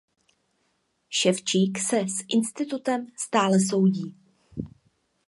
Ševčík se s institutem stále soudí.